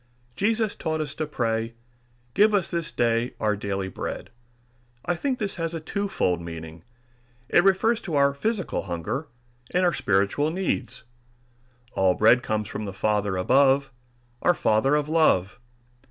Jesus taught us to pray, "Give us this day our daily bread." I think this has a twofold meaning. It refers to our physical hunger and our spiritual needs. All bread comes from the Father above, our Father of love.